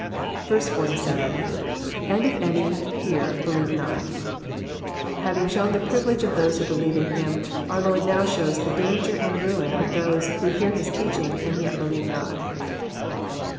47.— [^nd if any...hear.,.believe noL^ Having shown the privilege of those who believe in Him, our Lord now shows the danger and ruin of those who hear His teaching and yet believe not.